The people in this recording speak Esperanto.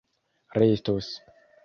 restos